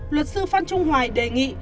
luật sư phan trung hoài đề nghị